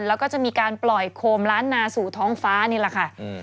แล้วก็จะมีการปล่อยโคมล้านนาสู่ท้องฟ้านี่แหละค่ะ